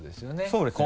そうですね。